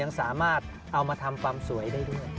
เอามาทำความสวยได้ด้วย